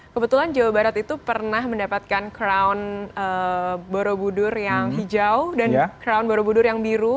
kebetulan jawa barat itu pernah mendapatkan crown borobudur yang hijau dan crown borobudur yang biru